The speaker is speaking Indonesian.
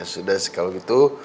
ya sudah sih kalau gitu